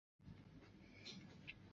开埠以前有制造石灰与瓷器。